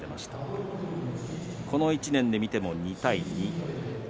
この１年で見ても２対２。